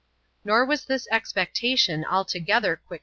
Nor was this expectation altogetiiet Q>nxa>aa.